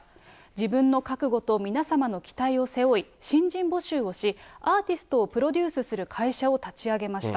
自分の覚悟と皆様の期待を背負い、新人募集をし、アーティストをプロデュースする会社を立ち上げました。